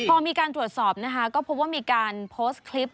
พอมีการตรวจสอบนะคะก็พบว่ามีการโพสต์คลิป